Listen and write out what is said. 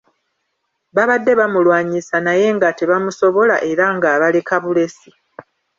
Baabadde bamulwanyisa naye nga tebamusobola era nga abaleka bulesi.